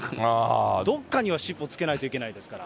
どっかには尻尾付けないといけないですから。